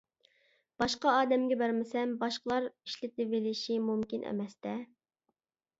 باشقا ئادەمگە بەرمىسەم باشقىلار ئىشلىتىۋېلىشى مۇمكىن ئەمەس-دە.